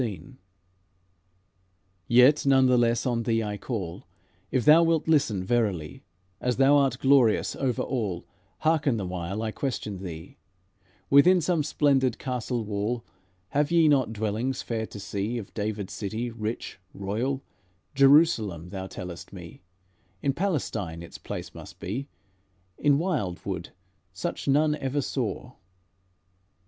XVI Yet, none the less, on thee I call, If thou wilt listen verily, As thou art glorious over all, Hearken the while I question thee. Within some splendid castle wall, Have ye not dwellings fair to see? Of David's city, rich, royal, Jerusalem, thou tellest me. In Palestine its place must be; In wildwood such none ever saw.